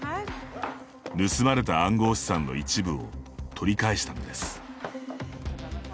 盗まれた暗号資産の一部を取り返したのです。